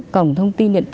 cổng thông tin điện thoại